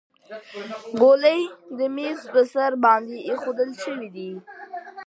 ګولۍ د میز په سر باندې ایښودل شوې دي.